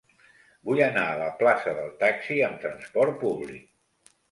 Vull anar a la plaça del Taxi amb trasport públic.